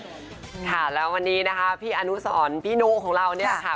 ค่ะแล้ววันนี้นะคะพี่อนุสรพี่นุของเราเนี่ยค่ะ